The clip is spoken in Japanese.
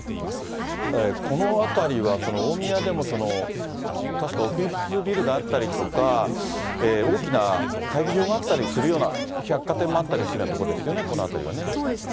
この辺りは、大宮でも確か、オフィスビルがあったりとか、大きな会議場があったりするような、百貨店もあったりするような所ですよね、そうですね。